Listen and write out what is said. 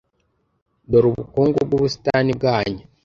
Dore ubukungu bw’ubusitani bwanyu